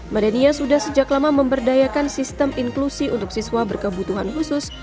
madania sudah sejak lama memberdayakan sistem inklusi untuk siswa berkebutuhan khusus